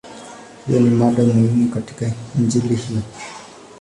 Hiyo ni mada muhimu katika Injili hiyo.